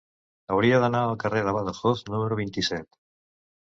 Hauria d'anar al carrer de Badajoz número vint-i-set.